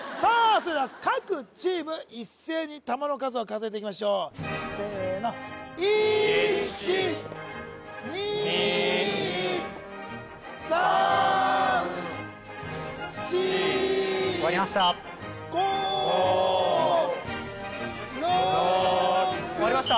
それでは各チーム一斉に玉の数を数えていきましょうせーの１２３４終わりました５６終わりました